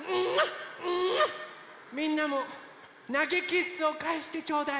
みんなもなげキッスをかえしてちょうだい！